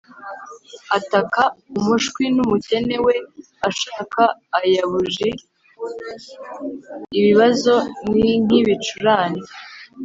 ataka umushwi n'umukene we ashaka aya buji ibibazo nink'ibicurane